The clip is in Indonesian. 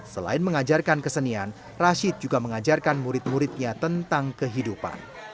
selain mengajarkan kesenian rashid juga mengajarkan murid muridnya tentang kehidupan